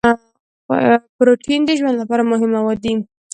پروټین د ژوند لپاره مهم مواد دي